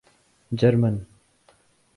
German